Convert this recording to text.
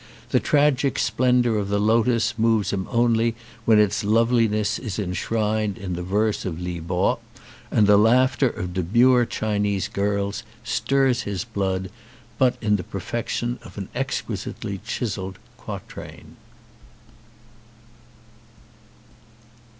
The tragic splendour of the lotus moves him only when its loveliness is enshrined in the verse of Li Po and the laughter of demure Chinese girls stirs his blood but in the perfection of an exquisitely chiselled quatrain.